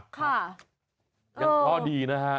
ก็พอดีนะคะ